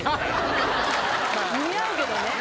似合うけどね。